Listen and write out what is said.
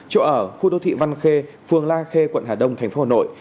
chỗ ở khu đô thị văn khê phường la khê quận hà đông thành phố hà nội